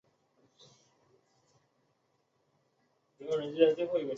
两条主要乡村上白泥村及下白泥村均辖属厦村乡。